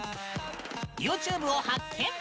ＹｏｕＴｕｂｅを発見！